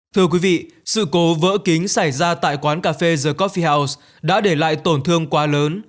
thưa quý vị sự cố vỡ kính xảy ra tại quán cà phê the coffi os đã để lại tổn thương quá lớn